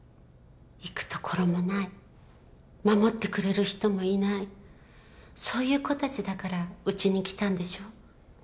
行くところもない守ってくれる人もいないそういう子達だからうちに来たんでしょう